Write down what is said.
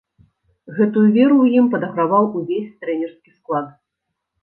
Гэтую веру ў ім падаграваў увесь трэнерскі склад.